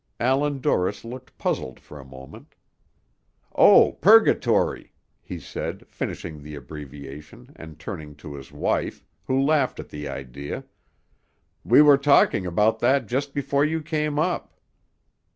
Allan Dorris looked puzzled for a moment. "Oh, purgatory," he said, finishing the abbreviation, and turning to his wife, who laughed at the idea, "we were talking about that just before you came up."